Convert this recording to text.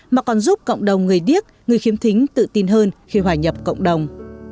mà còn giúp cộng đồng người điếc người khiếm thính tự tin hơn khi hòa nhập cộng đồng